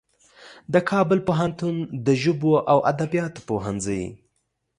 د کابل پوهنتون د ژبو او ادبیاتو پوهنځي